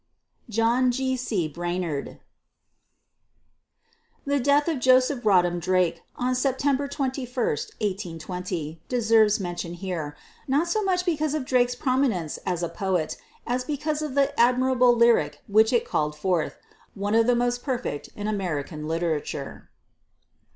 JOHN G. C. BRAINARD. The death of Joseph Rodman Drake, on September 21, 1820, deserves mention here, not so much because of Drake's prominence as a poet as because of the admirable lyric which it called forth one of the most perfect in American literature.